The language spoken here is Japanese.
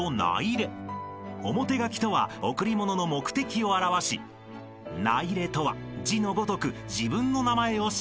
［表書きとは贈り物の目的を表し名入れとは字のごとく自分の名前を記すこと］